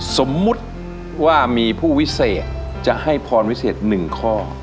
สมมุติว่ามีผู้วิเศษจะให้พรวิเศษ๑ข้อ